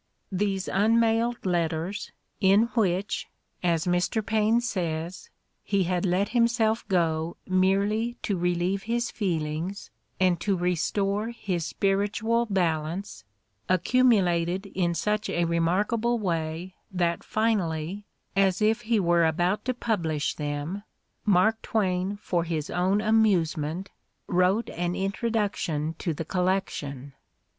These unmailed letters in which, as Mr. Paine says, "he had let himself go merely to relieve his feelings and to restore his spiritual balance," accumulated in such a remarkable way that finally, as if he were about to publish them, Mark Twain for his own amusement wrote an introduction to the collection.